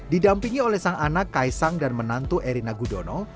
didampingi oleh sang anak kaisang dan menantu erina gudono